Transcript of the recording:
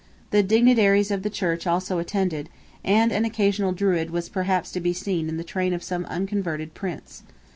The dignitaries of the Church also attended, and an occasional Druid was perhaps to be seen in the train of some unconverted Prince.